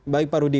baik pak rudi